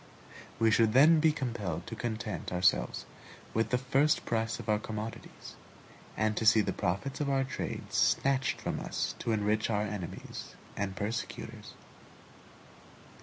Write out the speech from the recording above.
We should then be compelled to content ourselves with the first price of our commodities, and to see the profits of our trade snatched from us to enrich our enemies and persecutors.